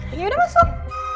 ya udah masuk